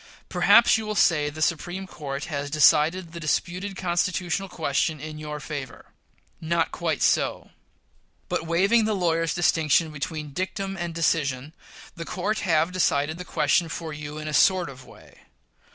Perhaps you will say the Supreme Court has decided the disputed constitutional question in your favor. Not quite so. But, waiving the lawyer's distinction between dictum and decision, the court have decided the question for you in a sort of way.